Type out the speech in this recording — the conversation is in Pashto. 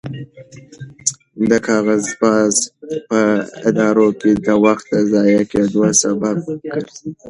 کاغذبازي په ادارو کې د وخت د ضایع کېدو سبب ګرځي.